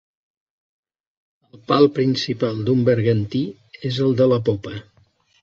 El pal principal d'un bergantí és el de la popa.